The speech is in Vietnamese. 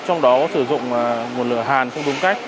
trong đó sử dụng nguồn lửa hàn không đúng cách